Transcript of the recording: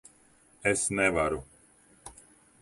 Es nevaru.